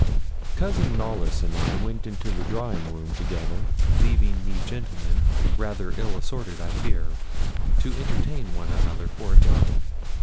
Cousin Knollys and I went into the drawing room together, leaving the gentlemen rather ill assorted, I fear to entertain one another for a time.